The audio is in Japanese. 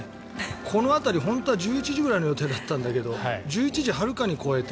この辺りは１１時ぐらいの予定だったんだけど１１時をはるかに超えて。